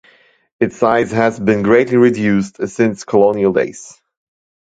Its size has been greatly reduced since colonial days.